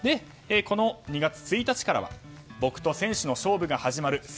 この２月１日からは僕と選手の勝負が始まる。